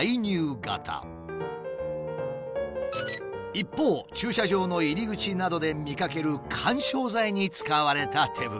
一方駐車場の入り口などで見かける緩衝材に使われた手袋。